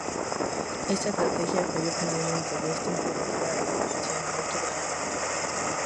Esta estrategia falló y finalmente Westin fue vendida a la Corporación Aoki de Japón.